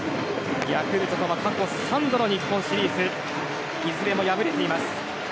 ヤクルトとは過去３度の日本シリーズいずれも敗れています。